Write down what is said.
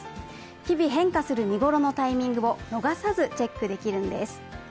日々変化する見頃のタイミングを逃さずチェックできるんです。